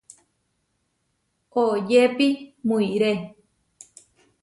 Oyépi muʼiré.